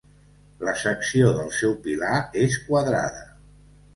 La secció del seu pilar és quadrada.